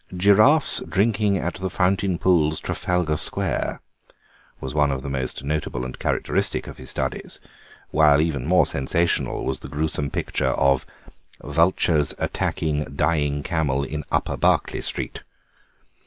"Giraffes drinking at the fountain pools, Trafalgar Square," was one of the most notable and characteristic of his studies, while even more sensational was the gruesome picture of "Vultures attacking dying camel in Upper Berkeley Street."